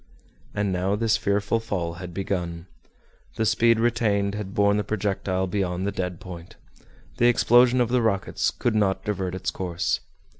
And now this fearful fall had begun. The speed retained had borne the projectile beyond the dead point. The explosion of the rockets could not divert its course.